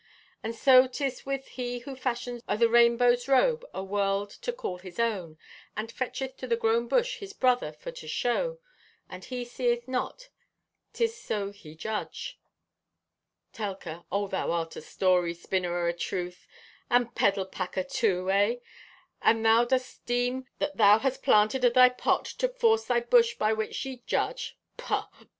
And so 'tis with he who fashions o' the rainbow's robe a world to call his own, and fetcheth to the grown bush his brother for to shew, and he seeth not, 'tis so he judge." (Telka) "O, thou art a story spinner o' a truth, and peddle packer too, egh? And thou dost deem that thou hast planted o' thy pot to force thy bush by which ye judge. Paugh!